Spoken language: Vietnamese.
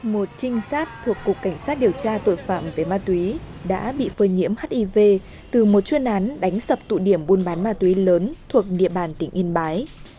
một trinh sát thuộc cục cảnh sát điều tra tội phạm về ma túy đã bị phơi nhiễm hiv từ một chuyên án đánh sập tụ điểm buôn bán ma túy lớn thuộc địa bàn tỉnh yên bái